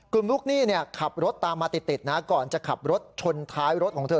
ลูกหนี้ขับรถตามมาติดนะก่อนจะขับรถชนท้ายรถของเธอ